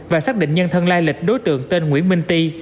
và xác định nhân thân lai lịch đối tượng tên nguyễn minh ti